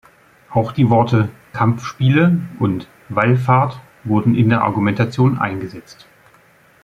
Auch die Worte "Kampfspiele" und "Wallfahrt" wurden in der Argumentation eingesetzt.